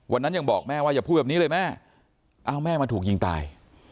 ยังบอกแม่ว่าอย่าพูดแบบนี้เลยแม่อ้าวแม่มาถูกยิงตาย